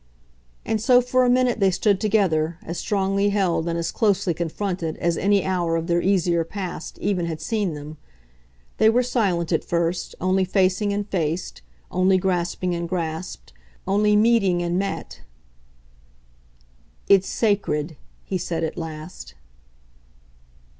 And so for a minute they stood together, as strongly held and as closely confronted as any hour of their easier past even had seen them. They were silent at first, only facing and faced, only grasping and grasped, only meeting and met. "It's sacred," he said at last.